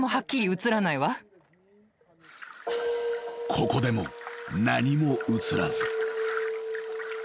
［ここでも何も写らず］